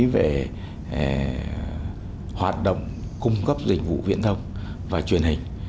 về hoạt động cung cấp dịch vụ viễn thông và truyền hình